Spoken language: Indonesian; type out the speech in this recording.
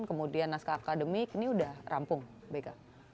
kemudian naskah akademik ini sudah rampung bega